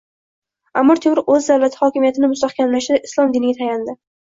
Amir Temur o'z davlati hokimiyatini mustahkamlashda islom diniga tayandi.